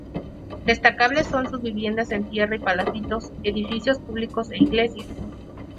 Destacables son sus viviendas en tierra y palafitos, edificios públicos e iglesias.